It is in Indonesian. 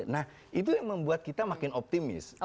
nah itu yang membuat kita makin optimis